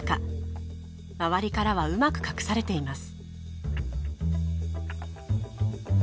周りからはうまく隠されています。